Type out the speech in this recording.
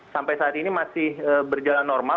sampai saat ini masih berjalan normal